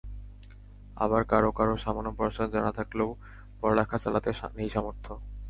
আবার কারও কারও সামান্য পড়াশোনা জানা থাকলেও পড়ালেখা চালাতে নেই সামর্থ্য।